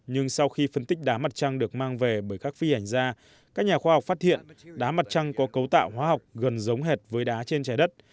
nhưng sau khi phân tích đá mặt trăng được mang về bởi các phi ảnh gia các nhà khoa học phát hiện đá mặt trăng có cấu tạo hóa học gần giống hệt với đá trên trái đất